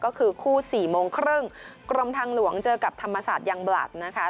ก็คือคู่สี่โมงครึ่งกรมทางหลวงเจอกับธรรมศาสตร์ยังบลัดนะคะ